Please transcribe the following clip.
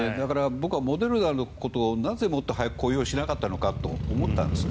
僕はモデルナのことをもっと早く公表しなかったのかと思うんです。